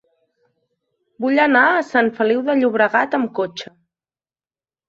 Vull anar a Sant Feliu de Llobregat amb cotxe.